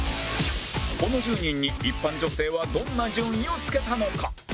この１０人に一般女性はどんな順位を付けたのか？